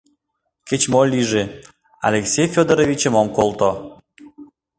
Кеч-мо лийже, Алексей Федоровичым ом колто.